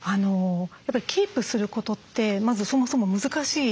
やっぱりキープすることってまずそもそも難しい。